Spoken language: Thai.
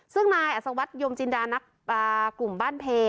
ซึ่งนายอสวัสดิ์ยมจินดานักกลุ่มบ้านเพลย์